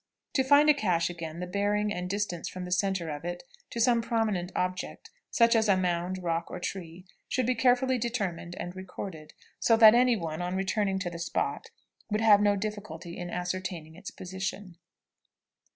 To find a caché again, the bearing and distance from the centre of it to some prominent object, such as a mound, rock, or tree, should be carefully determined and recorded, so that any one, on returning to the spot, would have no difficulty in ascertaining its position.